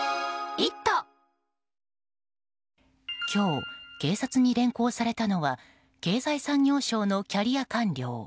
今日、警察に連行されたのは経済産業省のキャリア官僚。